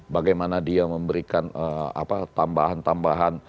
bagaimana dia memberikan tambahan tambahan